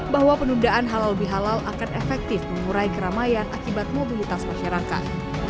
bahwa penundaan halal bihalal akan efektif mengurai keramaian akibat mobilitas masyarakat